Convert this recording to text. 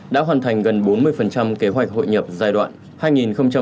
đã hoàn thành gần bốn mươi kế hoạch hội nhập giai đoạn hai nghìn hai mươi một hai nghìn hai mươi